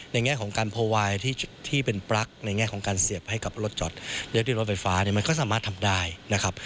ในแง่ของการโปรไวท์ที่เป็นปรักในแง่ของการเสียบให้รถจอดรถไฟฟ้าเนี่ยก็สามารถทำได้นะครับ